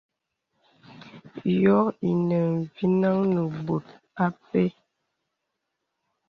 Yɔ̄ ìnə mvinəŋ nə bɔ̀t a pɛ.